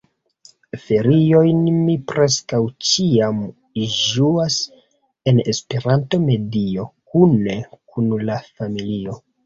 Feriojn mi preskaŭ ĉiam ĝuas en Esperanto-medio, kune kun la familio.